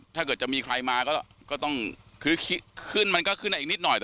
ถ้าเกิดจะมีใครมาก็ก็ต้องขึ้นมันก็ขึ้นอีกนิดหน่อยแต่